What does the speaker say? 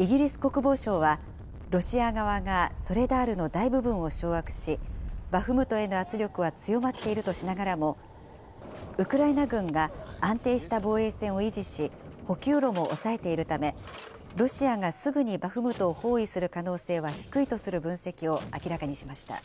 イギリス国防省は、ロシア側がソレダールの大部分を掌握し、バフムトへの圧力は強まっているとしながらも、ウクライナ軍が安定した防衛線を維持し、補給路も押さえているため、ロシアがすぐにバフムトを包囲する可能性は低いとする分析を明らかにしました。